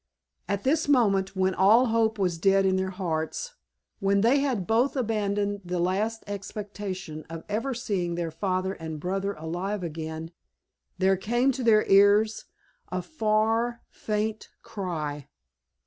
At this moment, when all hope was dead in their hearts, when they had both abandoned the last expectation of ever seeing their father and brother alive again, there came to their ears a far, faint cry.